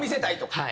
はい。